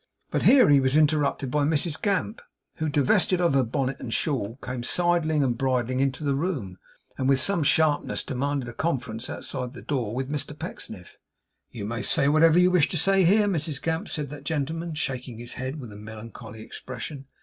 But here he was interrupted by Mrs Gamp, who, divested of her bonnet and shawl, came sidling and bridling into the room; and with some sharpness demanded a conference outside the door with Mr Pecksniff. 'You may say whatever you wish to say here, Mrs Gamp,' said that gentleman, shaking his head with a melancholy expression.